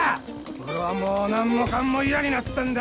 俺はもう何もかも嫌になったんだ！